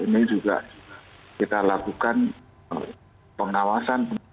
ini juga kita lakukan pengawasan